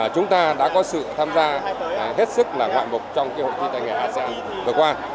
chúng ta đã có sự tham gia hết sức là ngoạn mục trong hội thi tay nghề asean vừa qua